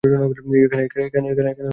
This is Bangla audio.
এখানে কেউ নেই।